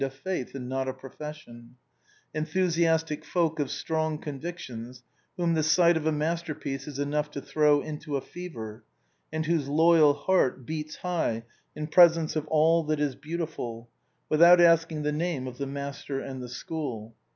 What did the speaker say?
XXXvii a faith and not a profession; enthusiastic folk of strong convictions, whom the sight of a masterpiece is enough to throw into a fever, and whose loyal heart beats high in presence of all that is beautiful, without asking the name, ^f the master and the schoo l.